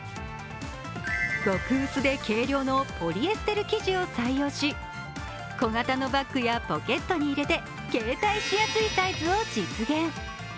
極薄で軽量のポリエステル生地を採用し小型のバッグやポケットに入れて携帯しやすいサイズを実現。